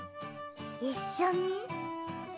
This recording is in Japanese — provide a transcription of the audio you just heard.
一緒に？